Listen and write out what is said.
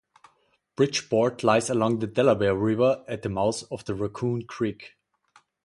Bridgeport lies along the Delaware River at the mouth of the Raccoon Creek.